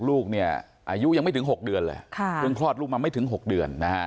ลูกเนี่ยอายุยังไม่ถึง๖เดือนเลยเพิ่งคลอดลูกมาไม่ถึง๖เดือนนะฮะ